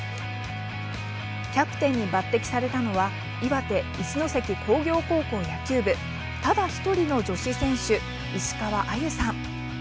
キャプテンに抜てきされたのは岩手・一関工業高校野球部ただ１人の女子選手石川愛癒さん。